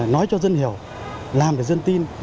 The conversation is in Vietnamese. nói cho dân hiểu làm cho dân tin